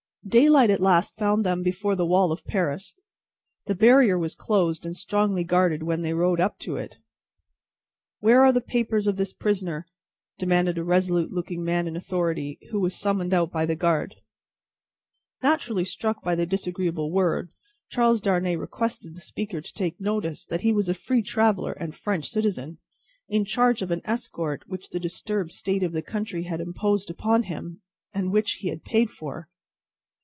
Daylight at last found them before the wall of Paris. The barrier was closed and strongly guarded when they rode up to it. "Where are the papers of this prisoner?" demanded a resolute looking man in authority, who was summoned out by the guard. Naturally struck by the disagreeable word, Charles Darnay requested the speaker to take notice that he was a free traveller and French citizen, in charge of an escort which the disturbed state of the country had imposed upon him, and which he had paid for.